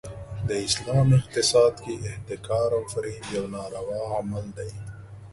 د اسلام اقتصاد کې احتکار او فریب یو ناروا عمل دی.